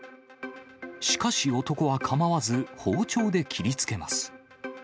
しかし男は構わず、包丁で切りつけます。